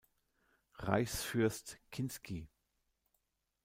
Reichsfürst Kinsky.